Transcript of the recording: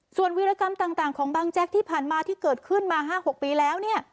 ส่วนวิรกรรมต่างของบางแจ๊กที่ผ่านมาที่เกิดขึ้นมา๕๖ปีแล้วเนี่ย